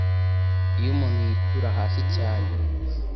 Iyo umuntu yitura hasi cyane